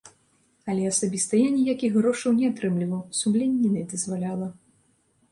Але асабіста я ніякіх грошаў не атрымліваў, сумленне не дазваляла.